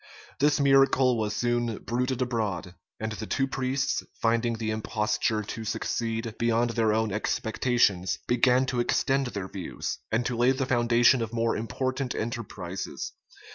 [*] This miracle was soon bruited abroad; and the two priests, finding the imposture to succeed beyond their own expectations, began to extend their views, and to lay the foundation of more important enterprises.